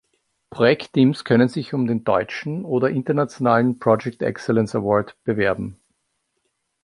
Projektteams können sich um den Deutschen oder Internationalen Project Excellence Award bewerben.